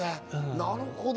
なるほど。